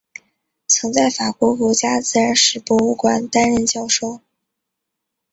曾在法国国家自然史博物馆担任教授。